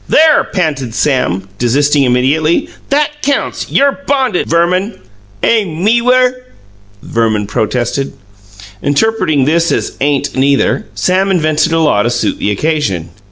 "There!" panted Sam, desisting immediately. "That counts! You're bonded, Verman." "Aim meewer!" Verman protested. Interpreting this as "Ain't neither", Sam invented a law to suit the occasion.